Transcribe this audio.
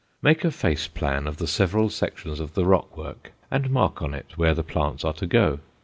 Make a face plan of the several sections of the rock work and mark on it where the plants are to go.